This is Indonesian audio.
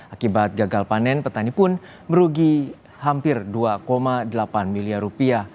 akibat gagal panen petani pun merugi hampir dua delapan miliar rupiah